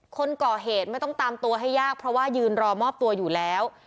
คนก่อเหตุไม่ต้องตามตัวให้ยากเพราะว่ายืนรอมอบตัวอยู่แล้ว